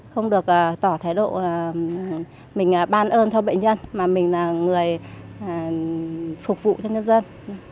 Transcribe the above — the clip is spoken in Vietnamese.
không được tỏ thái độ mình ban ơn cho bệnh nhân mà mình là người phục vụ cho nhân dân